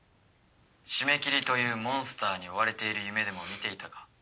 〆切というモンスターに追われている夢でも見ていたか？